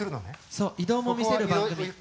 そう移動も見せる番組。